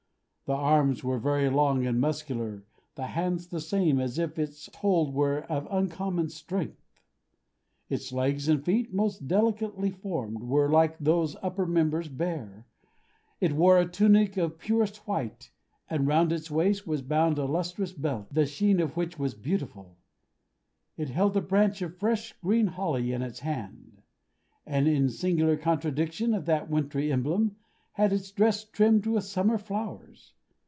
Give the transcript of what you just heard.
The arms were very long and muscular; the hands the same, as if its hold were of uncommon strength. Its legs and feet, most delicately formed, were, like those upper members, bare. It wore a tunic of the purest white; and round its waist was bound a lustrous belt, the sheen of which was beautiful. It held a branch of fresh green holly in its hand; and, in singular contradiction of that wintry emblem, had its dress trimmed with summer flowers.